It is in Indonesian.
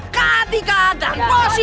ketika dan positif